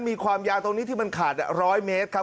มีความยาวตรงนี้ที่มันขาด๑๐๐เมตรครับ